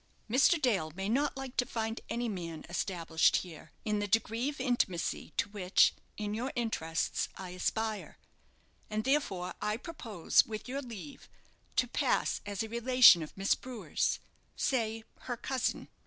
Mr. Dale may not like to find any man established here, in the degree of intimacy to which (in your interests) I aspire; and therefore I propose, with your leave, to pass as a relation of Miss Brewer's say, her cousin.